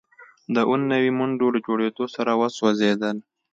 د اووه نوي منډو له جوړیدو سره وسوځیدل